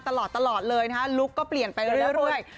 ตลอดเลยนะฮะลุคก็เปลี่ยนไปเรื่อย